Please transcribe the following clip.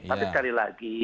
tapi sekali lagi